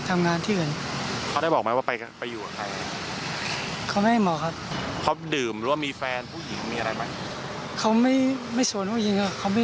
ไม่เคยมีแฟน